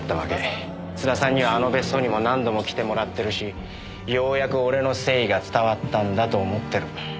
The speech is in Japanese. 津田さんにはあの別荘にも何度も来てもらってるしようやく俺の誠意が伝わったんだと思ってる。